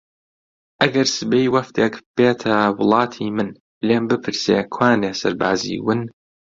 ئەگەر سبەی وەفدێک بێتە وڵاتی من لێم بپرسێ کوانێ سەربازی ون